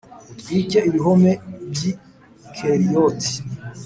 utwike ibihome by i Keriyoti